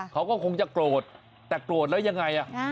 เขาก็คงจะโกรธแต่โกรธแล้วยังไง